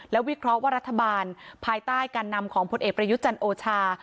วิเคราะห์ว่ารัฐบาลภายใต้การนำของผลเอกประยุทธ์จันทร์โอชา